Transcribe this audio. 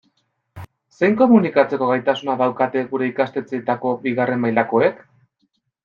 Zein komunikatzeko gaitasuna daukate gure ikastetxeetako bigarren mailakoek?